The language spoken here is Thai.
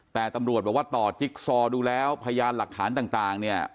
แต่ตำรวจบอกว่าต่อจิ๊กซอดูแล้วพยานหลักฐานต่างเนี่ย